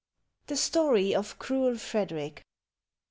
THE STORY OF CRUEL FREDERICK.